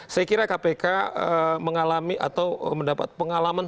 saya kira kpk mengalami atau mendapat pengalaman